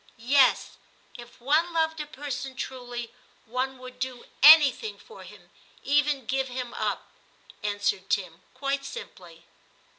* Yes ; if one loved a person truly, one would do anything for him ; even give him up,' answered Tim quite simply.